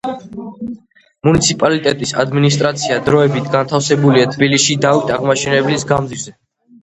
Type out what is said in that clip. მუნიციპალიტეტის ადმინისტრაცია დროებით განთავსებულია თბილისში დავით აღმაშენებლის გამზ.